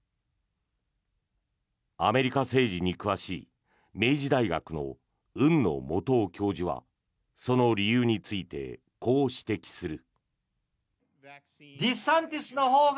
アメリカ政治に詳しい明治大学の海野素央教授はその理由についてこう指摘する。